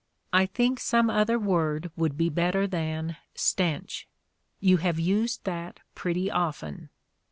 I think some other word would be better than "stench." You have used that pretty often.